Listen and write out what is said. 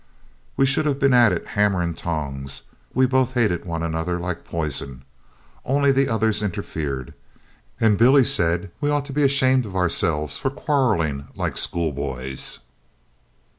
We should have been at it hammer and tongs we both hated one another like poison only the others interfered, and Billy said we ought to be ashamed of ourselves for quarrelling like schoolboys.